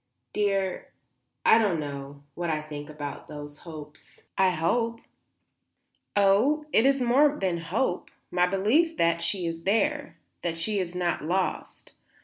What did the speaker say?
"Dear I don't know what I think about those hopes. I hope." "Oh, it is more than hope, my belief that she is there; that she is not lost.